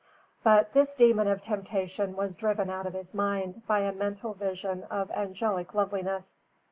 But this demon of temptation was driven out of his mind by a mental vision of angelic loveliness.